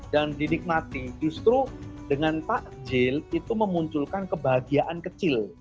dan didikmati justru dengan takjil itu memunculkan kebahagiaan kecil